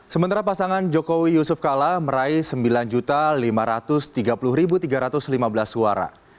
sementara pasangan jokowi yusuf kala meraih sembilan lima ratus tiga puluh tiga ratus lima belas suara